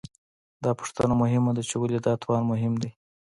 دا پوښتنه مهمه ده، چې ولې دا توان مهم دی؟